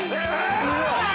すごい。